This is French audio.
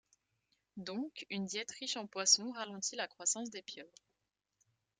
Donc, une diète riche en poissons ralentit la croissance des pieuvres.